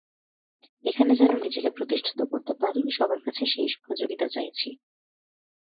এখানে যেন নিজেকে প্রতিষ্ঠিত করতে পারি, সবার কাছে সেই সহযোগিতা চাইছি।